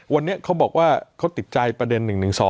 วันนี้เขาบอกว่าเขาติดใจประเด็น๑๑๒